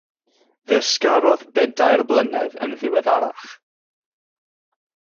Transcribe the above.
Fe ysgarodd bedair blynedd yn ddiweddarach.